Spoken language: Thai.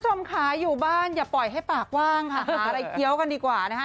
สุดขายอยู่บ้านอย่าปล่อยให้ปากว่างค่ะหารายเคี้ยวกันดีกว่า